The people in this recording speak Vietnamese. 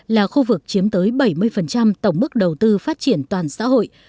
là khu vực chiếm tới bảy mươi tổng mức đầu tư phát triển toàn xã hội